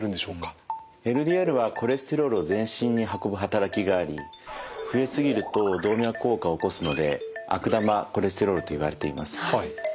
ＬＤＬはコレステロールを全身に運ぶ働きがあり増え過ぎると動脈硬化を起こすので悪玉コレステロールといわれています。